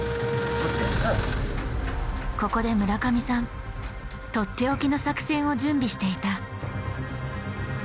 ここで村上さんとっておきの作戦を準備していた。